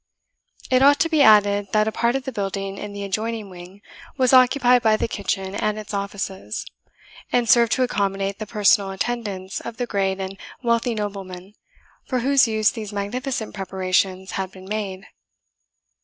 It ought to be added, that a part of the building in the adjoining wing was occupied by the kitchen and its offices, and served to accommodate the personal attendants of the great and wealthy nobleman, for whose use these magnificent preparations had been made.